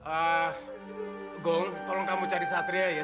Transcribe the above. agung tolong kamu cari satria ya